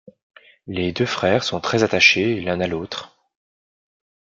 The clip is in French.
Les deux frères sont très attachés l'un à l'autre.